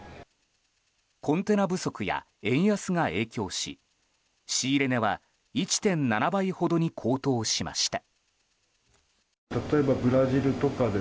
コンテナ不足や円安が影響し仕入れ値は１．７倍ほどに高騰しました。